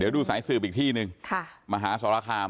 ดูสายสืบอีกที่นึงค่ะมหาศรษภคาม